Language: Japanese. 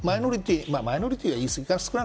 マイノリティーは言い過ぎかな。